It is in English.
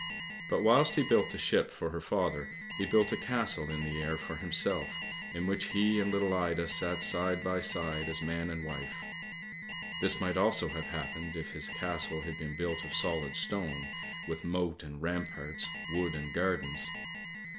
But whilst he built the ship for her father, he built a castle in the air for himself, in which he and little Ida sat side by side as man and wife. This might also have happened if his castle had been built of solid stone, with moat and ramparts, wood and gardens.